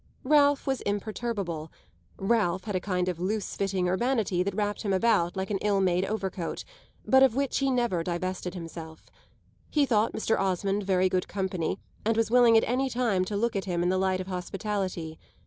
Ralph was imperturbable Ralph had a kind of loose fitting urbanity that wrapped him about like an ill made overcoat, but of which he never divested himself; he thought Mr. Osmond very good company and was willing at any time to look at him in the light of hospitality.